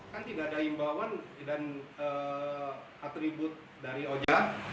kan tidak ada imbauan dan atribut dari oja